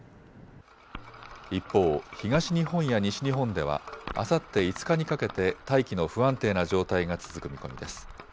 一方、東日本や西日本ではあさって５日にかけて大気の不安定な状態が続く見込みです。